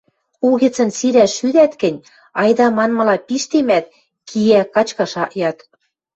Угӹцӹн сирӓш шӱдӓт гӹнь... айда, манмыла, пиштемӓт, киӓ, качкаш ак яд.